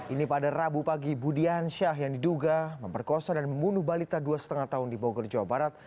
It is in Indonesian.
ini pada rabu pagi budiansyah yang diduga memperkosa dan membunuh balita dua lima tahun di bogor jawa barat